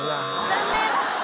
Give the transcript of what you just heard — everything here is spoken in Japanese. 残念！